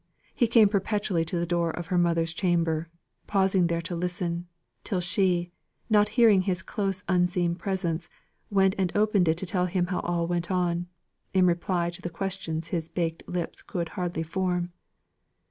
He came perpetually to the door of her mother's chamber, pausing there to listen, till she, not hearing his close unseen presence, went and opened it to tell him how all went on, in reply to the questions his baked lips could hardly form.